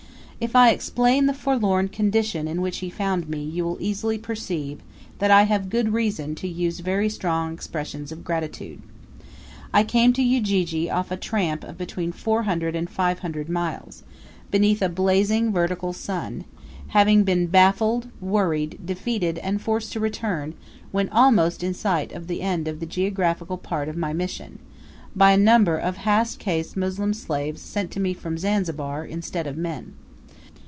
If I explain the forlorn condition in which he found me you will easily perceive that I have good reason to use very strong expressions of gratitude. I came to Ujiji off a tramp of between four hundred and five hundred miles, beneath a blazing vertical sun, having been baffled, worried, defeated and forced to return, when almost in sight of the end of the geographical part of my mission, by a number of half caste Moslem slaves sent to me from Zanzibar, instead of men.